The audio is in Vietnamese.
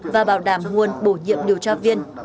và bảo đảm nguồn bổ nhiệm điều tra viên